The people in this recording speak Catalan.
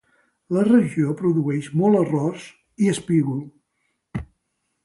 La regió produeix molt arròs i espígol.